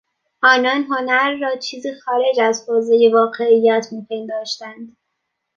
آنان هنر را چیزی خارج از حوزهی واقعیات میپنداشتند.